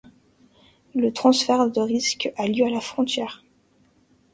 Le transfert de risques a lieu à la frontière.